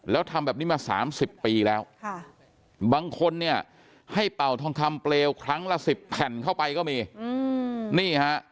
แล้วทำแบบนี้มา๓๐ปีแล้วบางคนเนี่ยให้เป่าทองคำเปลวครั้งละ๑๐แผ่นเข้าไปก็มีนี่ฮะ